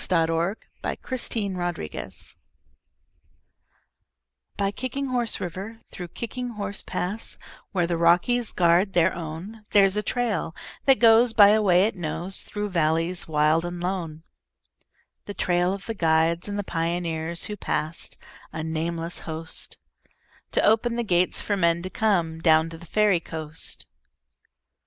SONG OF THE KICKING HORSE By Kicking Horse River, through Kicking Horse Pass, Where the Rockies guard their own, There's a trail that goes by a way it knows Through valleys wild and lone,— The trail of the guides and the pioneers Who passed—a nameless host— To open the gates for men to come Down to the Fairy Coast.